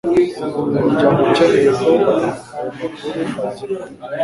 umuryango ukeneye ko ayo makuru agirwa